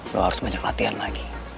bahwa harus banyak latihan lagi